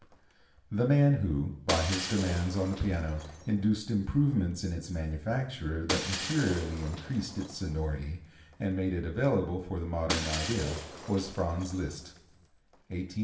The man who, by his demands on the piano, induced improvements in its manufacture that materially increased its sonority and made it available for the modern idea, was Franz Liszt (1811 1886).